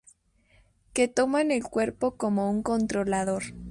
Que toman el cuerpo como un controlador.